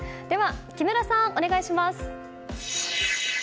木村さん、お願いします。